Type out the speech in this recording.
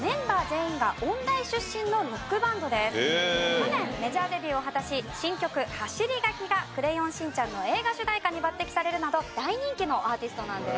去年メジャーデビューを果たし新曲『はしりがき』が『クレヨンしんちゃん』の映画主題歌に抜擢されるなど大人気のアーティストなんです。